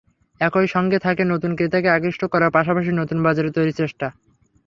একই সঙ্গে থাকে নতুন ক্রেতাকে আকৃষ্ট করার পাশাপাশি নতুন বাজার তৈরির চেষ্টা।